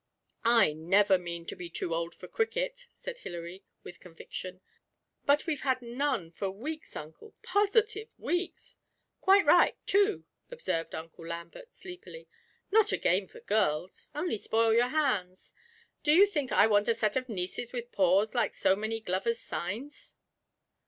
'I never mean to be too old for cricket,' said Hilary, with conviction; 'but we've had none for weeks, uncle, positive weeks!' 'Quite right, too!' observed Uncle Lambert, sleepily. 'Not a game for girls only spoil your hands do you think I want a set of nieces with paws like so many glovers' signs?'